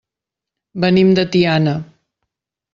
Venim de Tiana.